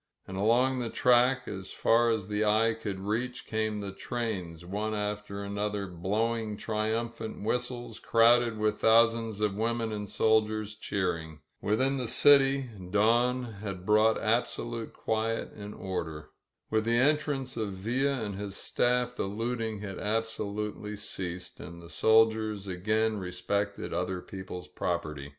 And along the track, as far as the eye could reach, came the trains, one after another, blowing triumphant whistles, crowded with thousands of women and soldiers cheering. Within the city, dawn had brought absolute quiet and order. With the en trance of Villa and his staff the looting had absolutely ceased and the soldiers again respected other people's property.